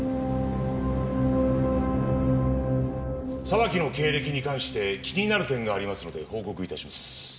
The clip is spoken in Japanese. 沢木の経歴に関して気になる点がありますので報告致します。